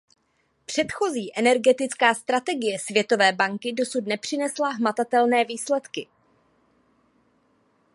Předchozí energetická strategie Světové banky dosud nepřinesla hmatatelné výsledky.